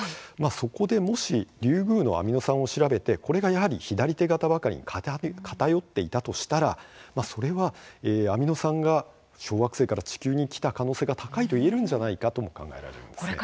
そこで、もしリュウグウのアミノ酸を調べて、これがやはり左手型ばかりに偏っていたとしたら、それはアミノ酸が小惑星から地球に来た可能性が高いといえるんじゃないかとも考えられるんですね。